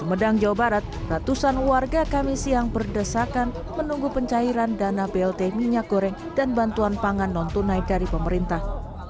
di medang jawa barat ratusan warga kami siang berdesakan menunggu pencairan dana blt minyak goreng dan bantuan pangan non tunai dari pemerintah